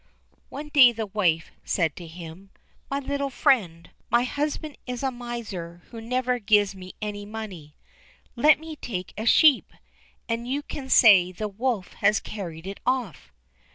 One day the wife said to him, "My little friend, my husband is a miser who never gives me any money; let me take a sheep, and you can say the wolf has carried it off."